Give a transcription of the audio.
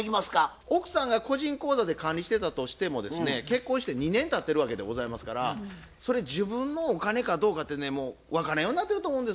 奥さんが個人口座で管理してたとしてもですね結婚して２年たってるわけでございますからそれ自分のお金かどうかってねもう分からんようなってると思うんです。